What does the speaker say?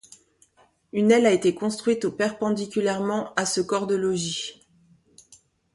Une aile a été construite au perpendiculairement à ce corps de logis.